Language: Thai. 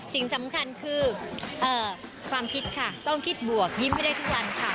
สิ่งสำคัญคือความคิดค่ะต้องคิดบวกยิ้มให้ได้ทุกวันค่ะ